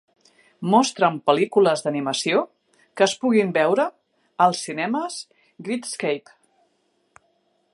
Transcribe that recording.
Mostra'm pel·lícules d'animació que es puguin veure als cinemes Great Escape.